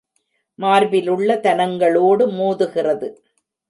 மார்பிலுள்ள தனங்களோடு மோதுகிறது.